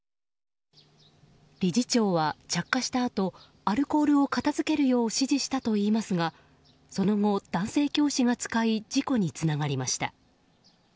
理事長は、着火したあとアルコールを片付けるよう指示したといいますがその後、男性教師が使い事故につながりました。